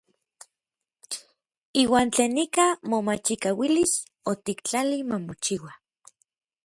Iuan tlen ika momachikaualis otiktlalij ma mochiua.